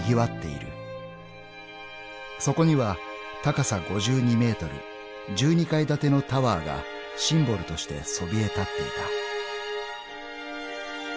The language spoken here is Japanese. ［そこには高さ５２ｍ１２階建てのタワーがシンボルとしてそびえ立っていた］